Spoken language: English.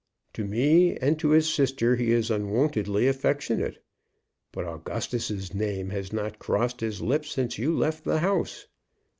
To me and to his sister he is unwontedly affectionate; but Augustus's name has not crossed his lips since you left the house."